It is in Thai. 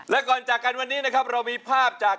และก่อนจากกันวันนี้นะครับเรามีภาพจาก